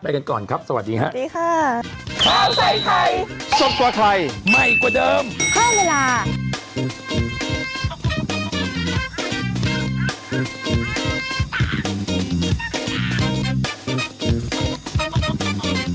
ไปกันก่อนครับสวัสดีค่ะสวัสดีค่ะ